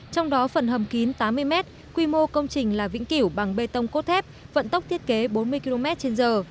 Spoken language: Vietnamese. trong đó phần hầm kín tám mươi m quy mô công trình là vĩnh kiểu bằng bê tông cốt thép vận tốc thiết kế bốn mươi km trên giờ